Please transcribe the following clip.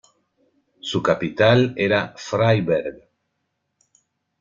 Su capital era Freiberg.